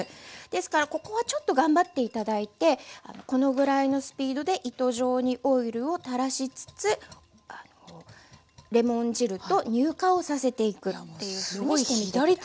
ですからここはちょっと頑張って頂いてこのぐらいのスピードで糸状にオイルを垂らしつつレモン汁と乳化をさせていくというふうにしてみて下さい。